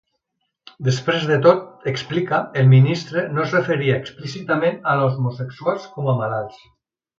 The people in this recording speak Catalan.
Després de tot, explica, el ministre no es referia explícitament als homosexuals com a malalts.